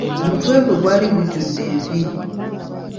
Omutwe gwe gwali gujjudde envi.